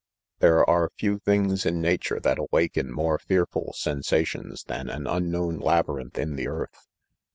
( 2 ) There are few tilings in nature that awaken more fear ful sensations than an unknown labyrinth in the. earth.